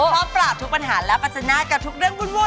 ปราบทุกปัญหาและปัจจนากับทุกเรื่องวุ่น